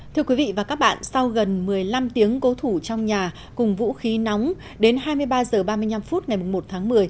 thưa quý vị và các bạn sau gần một mươi năm tiếng cố thủ trong nhà cùng vũ khí nóng đến hai mươi ba h ba mươi năm phút ngày một tháng một mươi